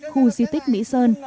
khu di tích mỹ sơn